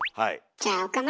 じゃあ岡村。